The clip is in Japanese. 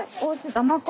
だまこ。